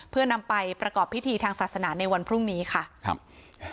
เพื่อนำไปประกอบพิธีทางศาสนาในวันพรุ่งนี้ค่ะครับ